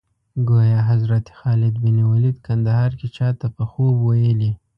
ګویا حضرت خالد بن ولید کندهار کې چا ته په خوب ویلي.